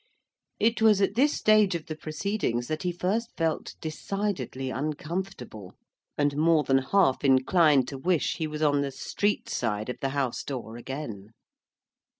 It was at this stage of the proceedings that he first felt decidedly uncomfortable, and more than half inclined to wish he was on the street side of the house door again.